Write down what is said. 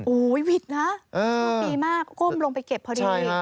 โหเหวัดนะก้มดีมากก้มลงไปเก็บเผอร์ดี